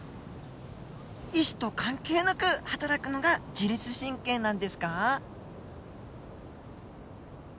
意志と関係なくはたらくのが自律神経なんですか？